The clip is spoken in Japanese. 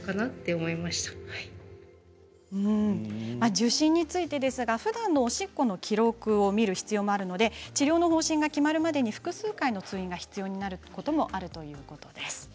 受診について、ふだんのおしっこの記録を見る必要もあるので治療方針が決まるまでに複数回の通院が必要になることもあるということです。